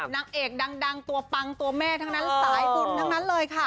นางเอกดังตัวปังตัวแม่สัยบุญทั้งนั้นเลยค่ะ